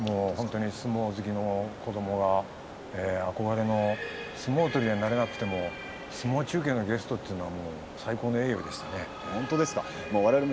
相撲好きの子どもが相撲取りにはなれなくても相撲中継のゲストというのは最高の栄誉でしたね。